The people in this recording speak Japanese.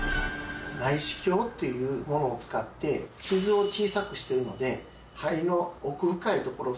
内視鏡というものを使って傷を小さくしてるので。